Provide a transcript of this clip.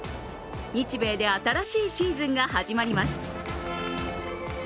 日米で新しいシーズンが始まります。